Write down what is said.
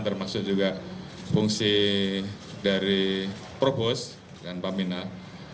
termasuk juga fungsi dari provos dan paminan